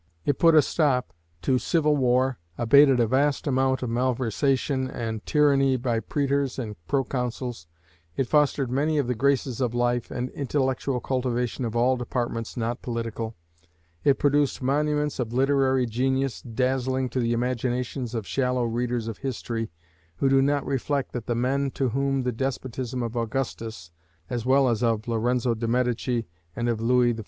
It put a stop to civil war, abated a vast amount of malversation and tyranny by prætors and proconsuls; it fostered many of the graces of life, and intellectual cultivation in all departments not political; it produced monuments of literary genius dazzling to the imaginations of shallow readers of history, who do not reflect that the men to whom the despotism of Augustus (as well as of Lorenzo de' Medici and of Louis XIV.)